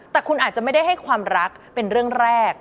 แต่คุณอาจจะไม่ได้ให้ความรักเป็นเรื่องแรก